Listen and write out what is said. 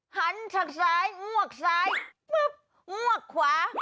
ฉักซ้ายงวกซ้ายปุ๊บงวกขวา